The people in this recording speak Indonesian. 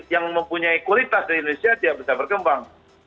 yang mempunyai kualitas di indonesia tidak bisa berkembang